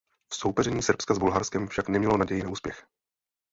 V soupeření Srbska s Bulharskem však nemělo naději na úspěch.